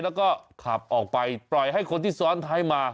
แล้วก็ขับออกไปปล่อยให้คนที่ซ้อนท้ายมา